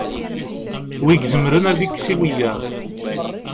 wi izemren ad ikkes i wiyaḍ